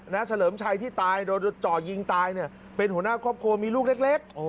เฉลิมชัยที่ตายโดนจ่อยิงตายเนี่ยเป็นหัวหน้าครอบครัวมีลูกเล็ก